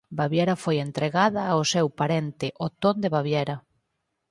Baviera foi entregada ao seu parente Otón de Baviera.